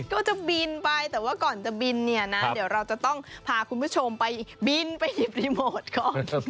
ก็จะบินไปแต่ว่าก่อนจะบินเนี่ยนะเดี๋ยวเราจะต้องพาคุณผู้ชมไปบินไปหยิบรีโมทก่อน